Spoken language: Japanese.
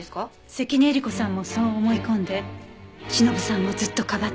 関根えり子さんもそう思い込んでしのぶさんをずっとかばっている。